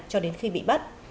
cho đến khi bị bắt